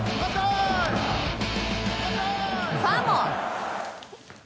ファンも！